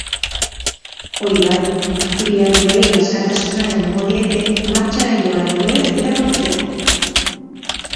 Hori bai, afiliatuei askatasuna emango diete martxara joan edo ez erabakitzeko.